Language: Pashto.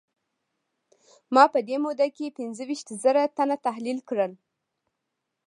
ما په دې موده کې پينځه ويشت زره تنه تحليل کړل.